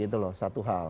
gitu loh satu hal